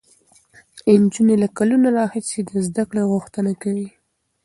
نجونې له کلونو راهیسې د زده کړې غوښتنه کوي.